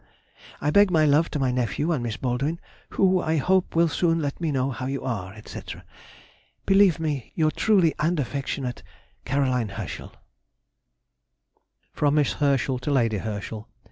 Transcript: I beg my love to my nephew and Miss Baldwin, who, I hope, will soon let me know how you are, &c. Believe me, Your truly and affectionate CAR. HERSCHEL. [Sidenote: 1822. Life in Hanover.] FROM MISS HERSCHEL TO LADY HERSCHEL.